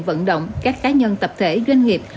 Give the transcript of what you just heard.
vận động các cá nhân tập thể doanh nghiệp